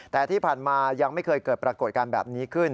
แต่ที่ผ่านมายังไม่เคยเกิดปรากฏการณ์แบบนี้ขึ้น